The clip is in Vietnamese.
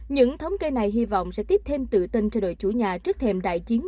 những thống kê này hy vọng sẽ tiếp thêm tự tin cho đội chủ nhà trước thềm đại chiến